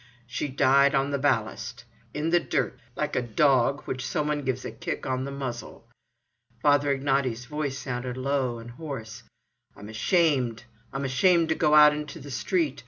She died on the ballast, in the dirt——like a d—d—og, to which some one gives a kick on the muzzle." Father Ignaty's voice sounded low and hoarse: "I'm ashamed! I'm ashamed to go out into the street!